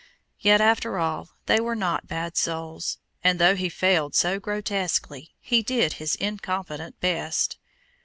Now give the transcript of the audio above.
Yet, after all, they were not bad souls; and though he failed so grotesquely, he did his incompetent best.